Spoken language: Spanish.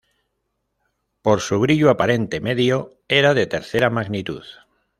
Por su brillo aparente medio era de tercera magnitud.